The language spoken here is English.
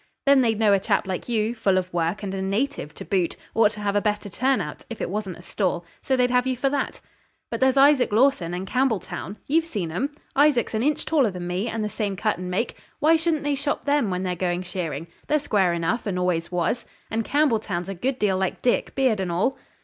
'Then they'd know a chap like you, full of work and a native to boot, ought to have a better turn out if it wasn't a stall. So they'd have you for that.' 'But there's Isaac Lawson and Campbelltown. You've seen them. Isaac's an inch taller than me, and the same cut and make. Why shouldn't they shop them when they're going shearing? They're square enough, and always was. And Campbelltown's a good deal like Dick, beard and all.'